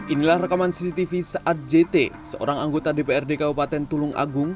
inilah rekaman cctv saat jt seorang anggota dprd kabupaten tulung agung